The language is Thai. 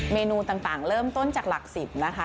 เมนูต่างเริ่มต้นจากหลัก๑๐นะคะ